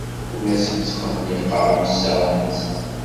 Ur asen-ttqelliqeɣ imsaɣen-nsen.